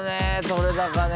撮れ高ね。